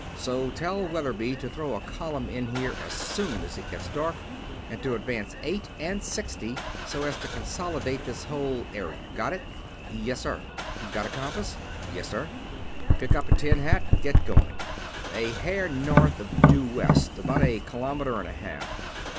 So tell Weatherby to throw a column in here as soon as it gets dark, and to advance Eight and Sixty, so as to consolidate this whole area. Got it?" "Yes, sir." "Got a compass?" "Yes, sir." "Pick up a tin hat and get going. A hair north of due west, about a kilometer and a half.